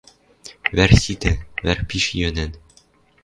Вӓр ситӓ, вӓр пиш йӧнӓн.